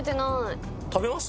食べます？